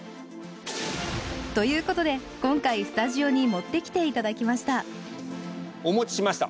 ということで今回スタジオに持ってきていただきましたお持ちしました。